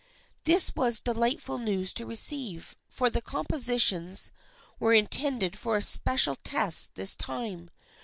This was delightful news to receive, for the compositions were intended for a special test this time.